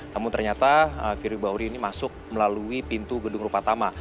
namun ternyata firly bahuri ini masuk melalui pintu gedung rupa tama